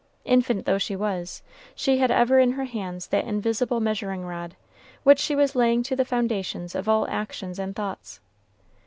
Infant though she was, she had ever in her hands that invisible measuring rod, which she was laying to the foundations of all actions and thoughts.